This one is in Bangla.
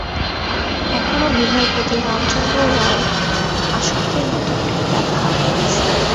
এখনও বিভার প্রতি রামচন্দ্র রায়ের আসক্তির মতো একটা ভাব আছে।